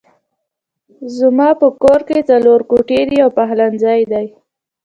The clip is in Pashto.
زما په کور کې څلور کوټې دي يو پخلنځی دی